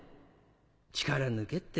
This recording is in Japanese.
力抜けって